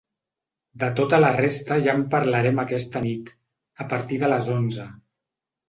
De tota la resta ja en parlarem aquesta nit, a partir de les onze.